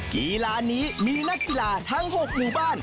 กีฬานี้มีนักกีฬาทั้ง๖หมู่บ้าน